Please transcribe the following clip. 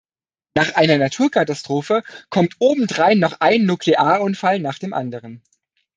Nach einer Naturkatastrophe kommt obendrein noch ein Nuklearunfall nach dem anderen.